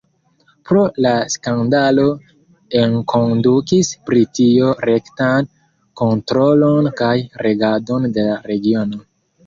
Pro la skandalo enkondukis Britio rektan kontrolon kaj regadon de la regiono.